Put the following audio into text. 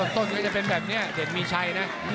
ต้นก็จะเป็นแบบนี้เด่นมีชัยนะ